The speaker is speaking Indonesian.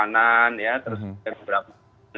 mungkin juga akan katakanlah setidaknya untuk makanan ya